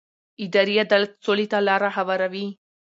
اداري عدالت سولې ته لاره هواروي